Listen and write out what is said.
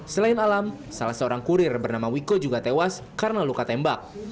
selain alam salah seorang kurir bernama wiko juga tewas karena luka tembak